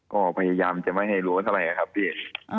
ก็พยายามจะไม่ให้รู้ก็สมัยครับพี่